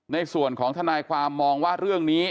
ในส่วนของทนายความมองว่าเรื่องนี้